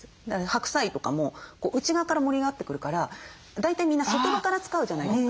白菜とかも内側から盛り上がってくるから大体みんな外葉から使うじゃないですか。